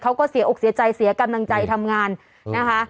เขาก็เสียอกเสียใจเสียกำลังใจทำงานนะคะ